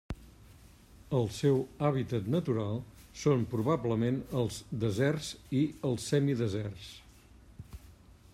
El seu hàbitat natural són probablement els deserts i els semideserts.